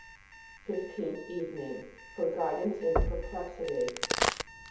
FIFTEENTH EVENING. FOR GUIDANCE IN PERPLEXITY.